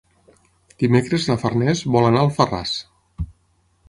Dimecres na Farners vol anar a Alfarràs.